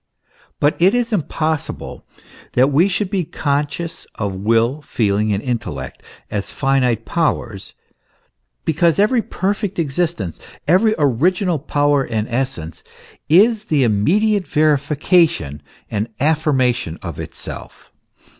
But it is impossible that we should he conscious of will, feeling, and intellect, as finite powers, because every perfect existence, every original power and essence, is the immediate verification and affirmation of itself.